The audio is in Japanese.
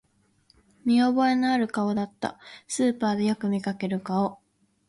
見覚えのある顔だった、スーパーでよく見かける顔